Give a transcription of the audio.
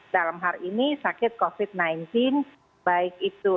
dalam hal ini sakit covid sembilan belas baik itu